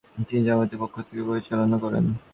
তিনি জমিয়তের পক্ষ থেকে পরিচালনা করেন।